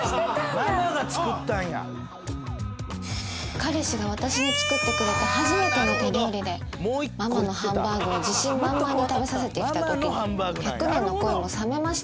彼氏が私に作ってくれた初めての手料理でママのハンバーグを自信満々に食べさせてきた時に１００年の恋も冷めました。